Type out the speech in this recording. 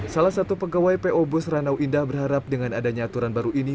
salah satu pegawai po bus ranau indah berharap dengan adanya aturan baru ini